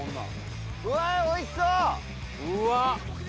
うわー、おいしそう。